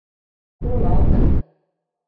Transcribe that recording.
— Колалтын.